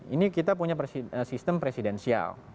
ini kita punya sistem presidensial